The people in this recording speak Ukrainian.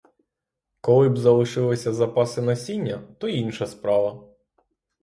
Коли б залишилися запаси насіння, — то інша справа.